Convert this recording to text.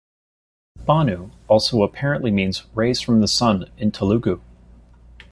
Banu also apparently means "rays from the sun" in Telugu.